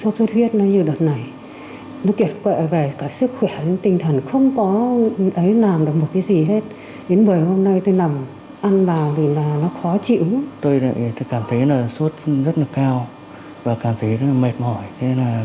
tôi cảm thấy là suốt rất là cao và cảm thấy rất là mệt mỏi thế nên là mới vào nhiệp viện